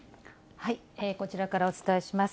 こちらからお伝えします。